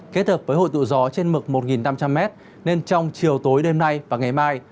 kết hợp với hội tụ gió trên mực một năm trăm linh m nên trong chiều tối đêm nay và ngày mai